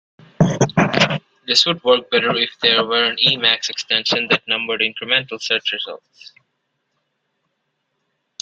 This would work better if there were an Emacs extension that numbered incremental search results.